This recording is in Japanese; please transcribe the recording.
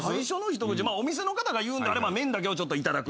お店の方が言うんであれば麺だけをいただく。